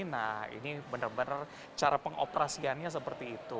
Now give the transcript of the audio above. nah ini benar benar cara pengoperasiannya seperti itu